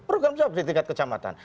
program program di tingkat kecamatan